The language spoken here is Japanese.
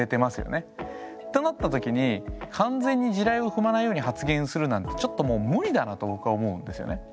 なったときに完全に地雷を踏まないように発言するなんてちょっともう無理だなと僕は思うんですよね。